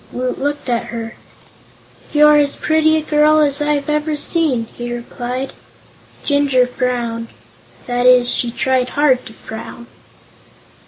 Woot looked at her. "You're as pretty a girl as I've ever seen," he replied. Jinjur frowned. That is, she tried hard to frown.